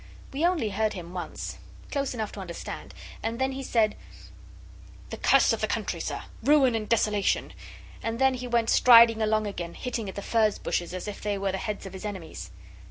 'We only heard him once, close enough to understand, and then he said, "The curse of the country, sir ruin and desolation!" And then he went striding along again, hitting at the furze bushes as if they were the heads of his enemies.